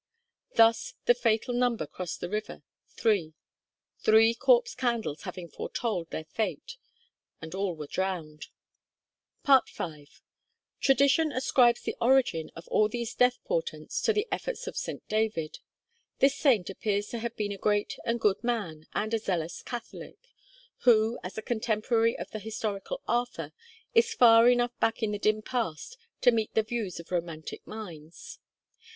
Thus the fatal number crossed the river three three Corpse Candles having foretold their fate; and all were drowned. V. Tradition ascribes the origin of all these death portents to the efforts of St. David. This saint appears to have been a great and good man, and a zealous Catholic, who, as a contemporary of the historical Arthur, is far enough back in the dim past to meet the views of romantic minds.